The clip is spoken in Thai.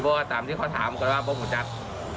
บอกว่าตามที่เขาถามก็ว่าบอกหัวจักร